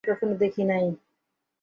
আগে কখনো দেখি নাই।